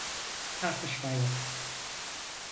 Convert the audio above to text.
Tartışma yok.